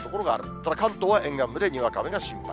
ただ関東は沿岸部でにわか雨が心配。